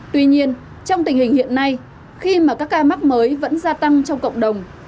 tuy nhiên trong tình hình hiện nay khi mà các ca mắc mới vẫn gia tăng trong cộng đồng